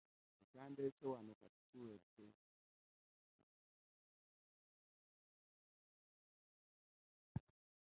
Ekyandeese wano kati biwedde.